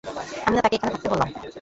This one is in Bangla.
আমি না তাকে এখানে থাকতে বললাম।